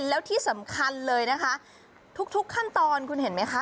แล้วที่สำคัญเลยนะคะทุกขั้นตอนคุณเห็นไหมคะ